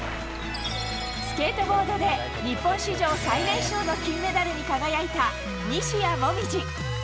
スケートボードで日本史上最年少の金メダルに輝いた西矢椛。